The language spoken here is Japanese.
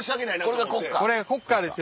これが国花ですよ。